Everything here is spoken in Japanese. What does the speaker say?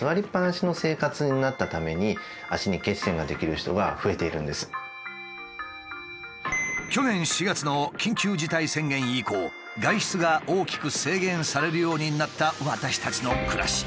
実は去年４月の緊急事態宣言以降外出が大きく制限されるようになった私たちの暮らし。